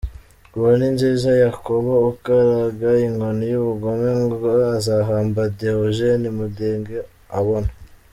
Uwo ni Nziza Yakobo ukaraga inkoni y’ubugome ngo azahamba Deogeni Mudenge abona!